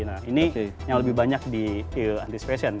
nah ini yang lebih banyak di anticipation